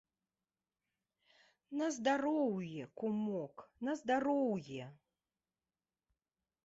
На здароўе, кумок, на здароўе!